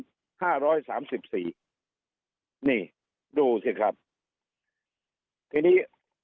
ห้าร้อยสามสิบสี่นี่ดูสิครับทีนี้